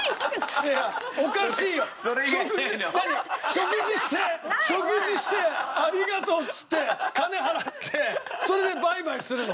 食事して食事して「ありがとう」っつって金払ってそれでバイバイするの？